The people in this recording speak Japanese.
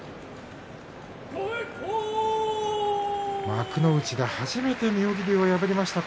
幕内で初めて妙義龍を破りました